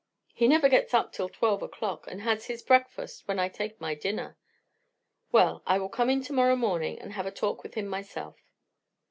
"He never gets up till twelve o'clock, and has his breakfast when I take my dinner." "Well, I will come in tomorrow morning and have a talk with him myself."